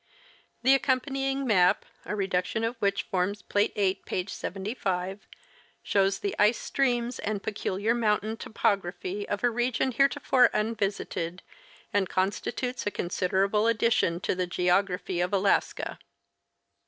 The accompanying map (a reduction of which forms plate 8, page 75) shows the ice streams and peculiar mountain topography of a region here tofore unvisited, and constitutes a considerable addition to the geography of Alaska.